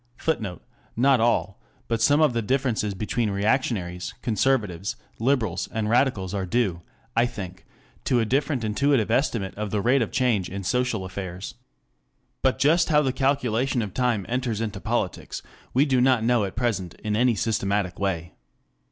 [Footnote: Not all, but some of the differences between reactionaries, conservatives, liberals, and radicals are due, I think, to a different intuitive estimate of the rate of change in social affairs.] But just how the calculation of time enters into politics we do not know at present in any systematic way.